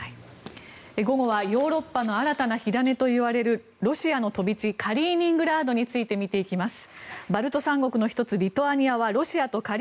午後はヨーロッパの新たな火種といわれるロシアの飛び地カリーニングラードについて見ていきます。